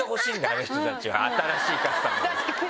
あの人たちは新しいカスタムの。